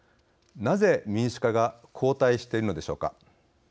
なぜ、民主化が後退しているのでしょうか。